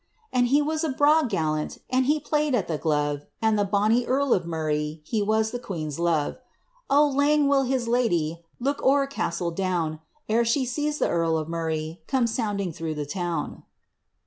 He was a braw gallant, And he played at the gluve ; And the bonny earl of Murray, He was the queen's luve. Oh, lang will his lady Look o*er Castle Bowne, Ere she see the earl of Murray Come sounding through the town."